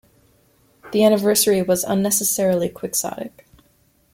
The anniversary was unnecessarily quixotic.